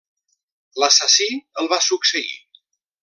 L'assassí el va succeir.